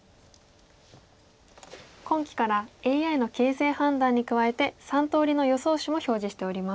今期からＡＩの形勢判断に加えて３通りの予想手も表示しております。